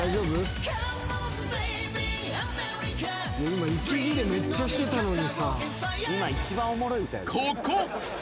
今息切れめっちゃしてたのに。